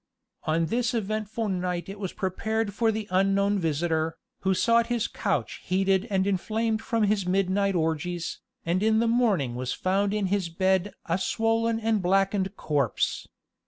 On this eventful night it was prepared for the unknown visitor, who sought his couch heated and inflamed from his midnight orgies, and in the morning was found in his bed a swollen and blackened corpse.